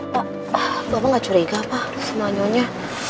pak bapak gak curiga apa semua nyonya